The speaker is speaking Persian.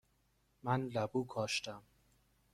من لبو کاشتم.